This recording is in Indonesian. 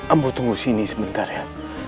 ambu tunggu sini sebentar ya